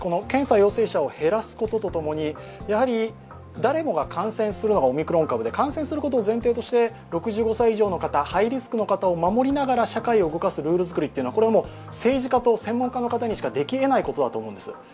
検査陽性者を減らすことともにやはり誰もが感染するのがオミクロン株で感染するのが前提として６５歳以上の方、ハイリスクの方を守りながら社会を動かすルール作りというのはもう政治家と専門家の方にしかできえないことだと思うんです。